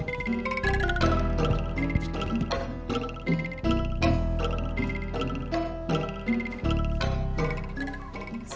ga ada pasar